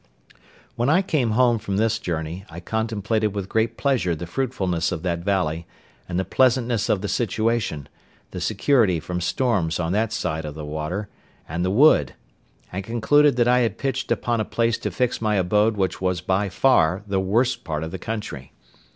When I came home from this journey, I contemplated with great pleasure the fruitfulness of that valley, and the pleasantness of the situation; the security from storms on that side of the water, and the wood: and concluded that I had pitched upon a place to fix my abode which was by far the worst part of the country.